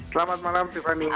selamat malam tiffany